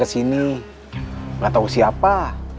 kesini gak tau siapa